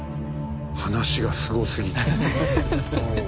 話がすごすぎて。